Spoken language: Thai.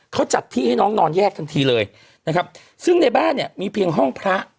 เขาจัดที่ให้น้องนอนแยกทันทีเลยนะครับซึ่งในบ้านเนี่ยมีเพียงห้องพระ